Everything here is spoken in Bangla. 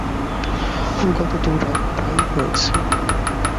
গত দু রাত তা-ই হয়েছে।